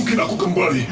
kau tak mau